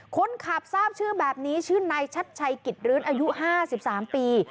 คนขับทราบชื่อแบบนี้ชื่อนายชัดชัยกิจรื้นอายุ๕๓ปี